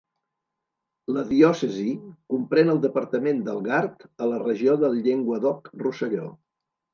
La diòcesi comprèn el departament del Gard, a la regió del Llenguadoc-Rosselló.